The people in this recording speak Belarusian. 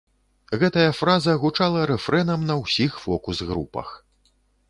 Гэтая фраза гучала рэфрэнам на ўсіх фокус-групах.